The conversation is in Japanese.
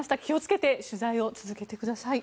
気をつけて取材してください。